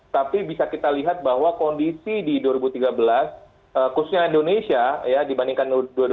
tapi bisa kita lihat bahwa kondisi di dua ribu tiga belas khususnya indonesia ya dibandingkan dua ribu dua puluh